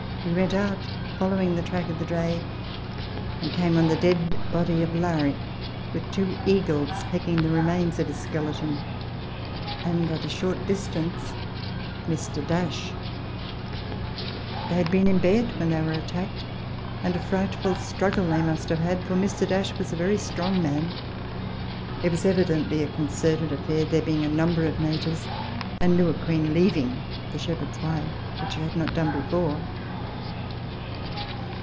We wont out, following the track of the dray, and came on the dead body of Larry, with two eagles pecking the remains of his skeleton, and at a short distance Mr. They had been in bed when they were attacked, and a frightful struggle they must have had, for Mr. was a very strong man. It was evidently a concerted affair, there being a number of natives, and Lewequeen leaving the shepherd's wife, which she had not done before.